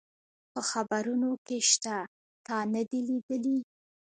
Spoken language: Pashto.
په خبرونو کي شته، تا نه دي لیدلي؟